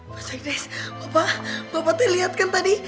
pak saigdes bapak bapak lihat kan tadi